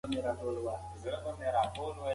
د سترګو تمرین وکړئ.